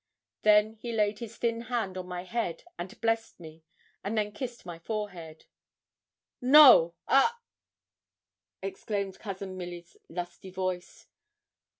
Then he laid his thin hand on my head, and blessed me, and then kissed my forehead. 'No a!' exclaimed Cousin Milly's lusty voice.